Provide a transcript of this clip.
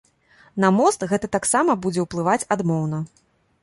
На мост гэта таксама будзе ўплываць адмоўна.